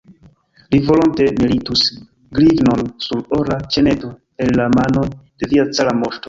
Li volonte meritus grivnon sur ora ĉeneto el la manoj de via cara moŝto.